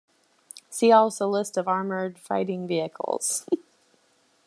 See also list of armoured fighting vehicles.